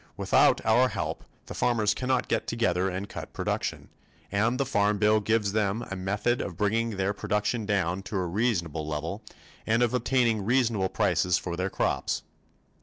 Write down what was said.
Without our help the farmers cannot get together and cut production, and the Farm Bill gives them a method of bringing their production down to a reasonable level and of obtaining reasonable prices for their crops.